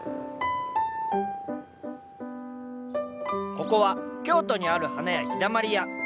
ここは京都にある花屋「陽だまり屋」。